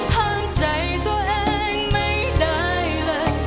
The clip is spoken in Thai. ห้ามใจตัวเองไม่ได้เลย